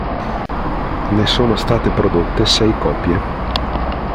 Ne sono state prodotte sei copie.